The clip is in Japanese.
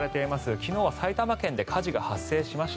昨日は埼玉県で火事が発生しました。